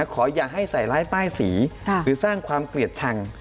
ขออย่าให้ใส่ร้ายป้ายสีหรือสร้างความเกลียดชัง